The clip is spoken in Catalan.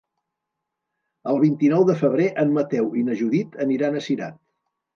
El vint-i-nou de febrer en Mateu i na Judit aniran a Cirat.